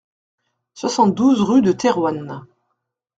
soixante-douze rue de Thérouanne